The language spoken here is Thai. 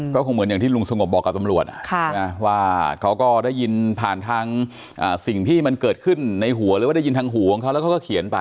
ก็คงเหมือนอย่างที่ลุงสงบบอกกับตำรวจว่าเขาก็ได้ยินผ่านทางสิ่งที่มันเกิดขึ้นในหัวหรือว่าได้ยินทางหูของเขาแล้วเขาก็เขียนไป